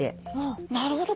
なるほど。